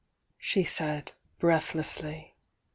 ' she said, breathlessly.